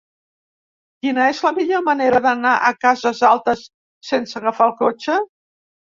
Quina és la millor manera d'anar a Cases Altes sense agafar el cotxe?